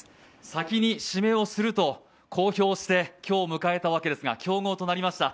先に指名をすると公表して今日を迎えたわけですが、競合となりました。